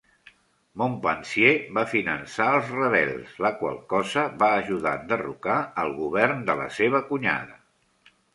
Montpensier va finançar els rebels, la qual cosa va ajudar a enderrocar el govern de la seva cunyada.